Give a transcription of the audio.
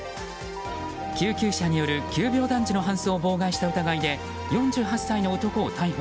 救急車による急病男児の搬送を妨害した疑いで４８歳の男を逮捕。